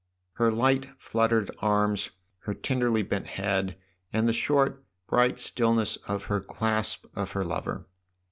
" her light, fluttered arms, her tenderly bent head and the short, bright stillness of her clasp of her lover.